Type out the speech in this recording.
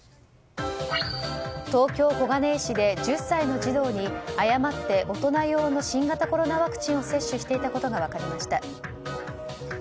東京・小金井市で１０歳の児童に誤って大人用の新型コロナワクチンを接種していたことが分かりました。